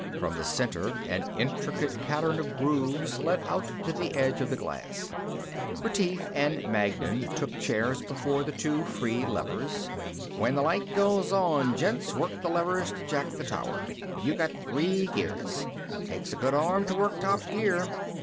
From the center, an intricate pattern of grooves led out to the edge of the glass. Retief and Magnan took chairs before the two free levers. "When the light goes on, gents, work the lever to jack the tower. You got three gears. Takes a good arm to work top gear.